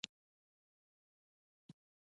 له ستړیا سره بیدېدو، کله چي به یو راپاڅېد.